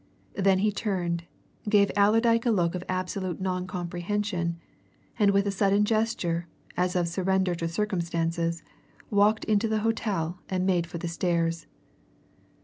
Then he turned, gave Allerdyke a look of absolute non comprehension, and with a sudden gesture, as of surrender to circumstances, walked into the hotel and made for the stairs.